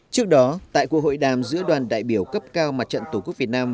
trước đó tại cuộc hội đàm giữa đoàn đại biểu cấp cao mặt trận tổ quốc việt nam